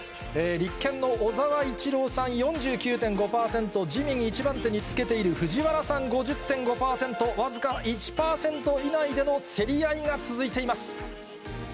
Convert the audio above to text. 立憲の小沢一郎さん、４９．５％、自民、１番手につけている藤原さん、５０．５％、僅か１％以内での競り合いが続いています。